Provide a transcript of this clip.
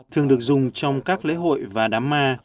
thường được dùng trong các lễ hội và đám ma